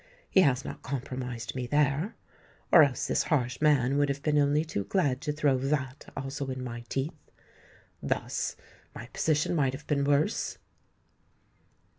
He has not compromised me there; or else this harsh man would have been only too glad to throw that also in my teeth. Thus, my position might have been worse!"